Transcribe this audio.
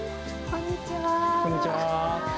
こんにちは。